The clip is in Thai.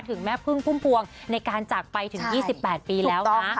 ถึงแม่พึ่งพุ่มพวงในการจากไปถึง๒๘ปีแล้วนะ